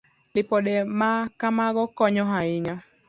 Lipode ma kamago konyo ahinya.